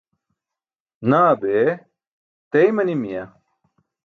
Naa bee! Teey manimiya?